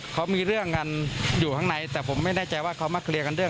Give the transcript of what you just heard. เกือบสิบคนฝั่งนี้ก็มีประมาณสองคน